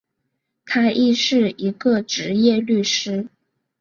他亦是一个执业律师。